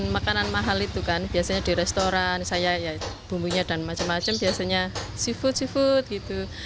makanan mahal itu kan biasanya di restoran saya ya bumbunya dan macam macam biasanya seafood seafood gitu